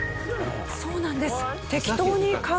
そうなんです。